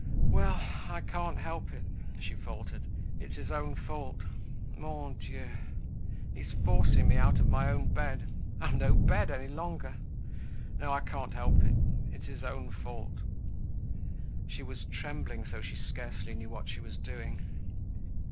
"Well, I can't help it," she faltered. "It's his own fault. Mon Dieu! He's forcing me out of my own bed. I've no bed any longer. No, I can't help it. It's his own fault." She was trembling so she scarcely knew what she was doing.